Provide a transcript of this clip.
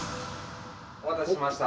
お待たせしました。